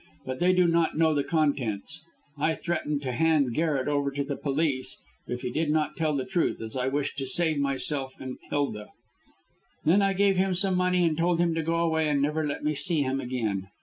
But they do not know the contents. I threatened to hand Garret over to the police if he did not tell the truth, as I wished to save myself and Hilda. Then I gave him some money, and told him to go away and never let me see him again.